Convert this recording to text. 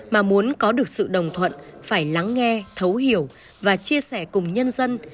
mà muốn có được sự đồng thuận phải lắng nghe thấu hiểu và chia sẻ cùng nhân dân